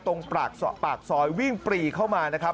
ตรงปากซอยวิ่งปรีเข้ามานะครับ